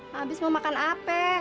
habis mau makan apa